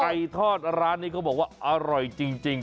ทอดร้านนี้เขาบอกว่าอร่อยจริง